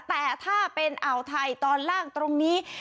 แต่ถ้าเป็นอ่าวไทยตอนล่างตรงนี้